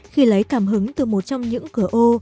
khi lấy cảm hứng từ một trong những cửa ô